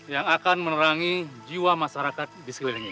yang akan menerangi jiwa masyarakat di seliling ini